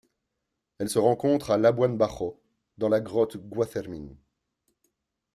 Elle se rencontre à Labuan Bajo dans la grotte Gua Cermin.